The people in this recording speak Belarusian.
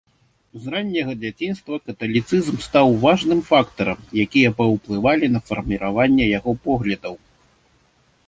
З ранняга дзяцінства каталіцызм стаў важным фактарам, якія паўплывалі на фарміраванне яго поглядаў.